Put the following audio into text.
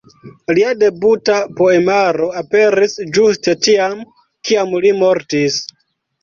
Lia debuta poemaro aperis ĝuste tiam, kiam li mortis.